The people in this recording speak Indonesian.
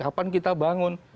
kapan kita bangun